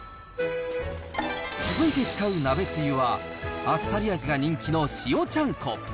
続いて使う鍋つゆは、あっさり味が人気の塩ちゃんこ。